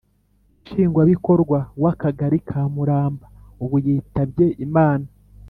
Nshingwabikorwa w Akagari ka Muramba ubu yitabye Imana